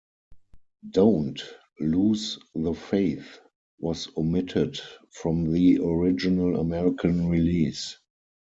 "Don't Lose The Faith" was omitted from the original American release.